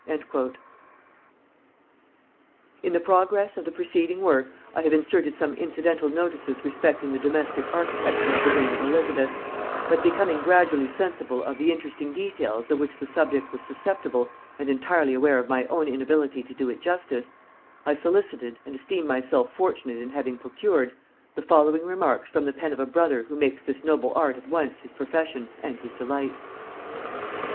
In the progress of the preceding work, I have inserted some incidental notices respecting the domestic architecture of the reign of Elizabeth; but becoming gradually sensible of the interesting details of which the subject was susceptible and entirely aware of my own inability to do it justice, I solicited, and esteem myself fortunate in having procured, the following remarks from the pen of a brother who makes this noble art at once his profession and his delight.